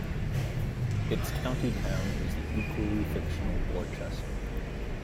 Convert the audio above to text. Its county town is the equally fictional Borchester.